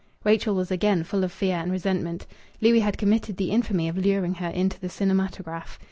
Rachel was again full of fear and resentment. Louis had committed the infamy of luring her into the cinematograph.